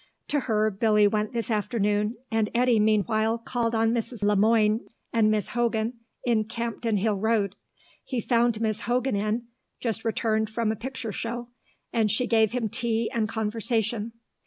To her Billy went this afternoon, and Eddy meanwhile called on Mrs. Le Moine and Miss Hogan in Campden Hill Road. He found Miss Hogan in, just returned from a picture show, and she gave him tea and conversation.